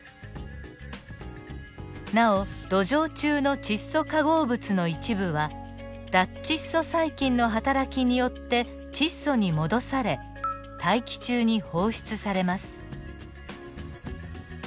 なお土壌中の窒素化合物の一部は脱窒素細菌のはたらきによって窒素に戻され大気中に放出されます。